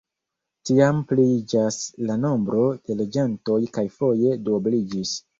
Tiam pliiĝas la nombro de loĝantoj kaj foje duobliĝis.